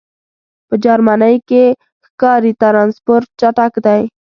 په جرمنی کی ښکاری ټرانسپورټ چټک دی